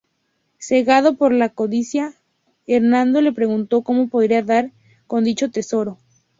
Cegado por la codicia, Hernando le preguntó cómo podría dar con dicho tesoro.